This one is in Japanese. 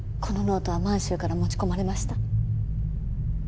このノートは満洲から持ち込まれました。